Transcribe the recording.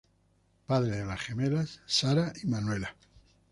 Padre de las gemelas, Sara y Manuela.